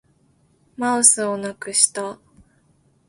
マウスをなくした